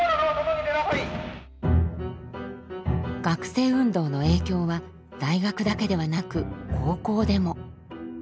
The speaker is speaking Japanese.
学生運動の影響は大学だけではなく高校でも。